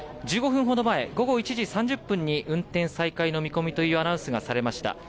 １５分ほど前、午後１時３０分に運転再開の見込みというアナウンスがされました。